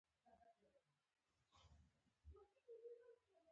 د افغانستان د اقتصادي پرمختګ لپاره پکار ده چې ملکیت خوندي وي.